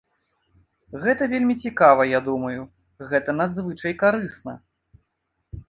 Гэта вельмі цікава, я думаю, гэта надзвычай карысна.